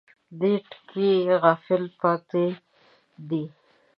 دې ټکي غافل پاتې دي.